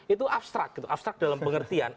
itu abstrak gitu abstrak dalam pengertian